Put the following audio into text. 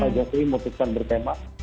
pak jokowi memutuskan bertema